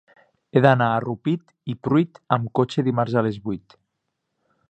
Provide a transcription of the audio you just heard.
He d'anar a Rupit i Pruit amb cotxe dimarts a les vuit.